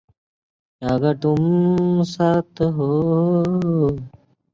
- agar তুম সাথ হো........